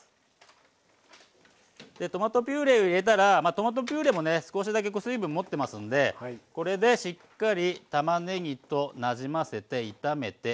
トマトピュレを入れたらトマトピュレも少しだけ水分持ってますんでこれでしっかりたまねぎとなじませて炒めて水分をとばすと。